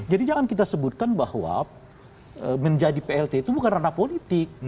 jadi jangan kita sebutkan bahwa menjadi plt itu bukan ranah politik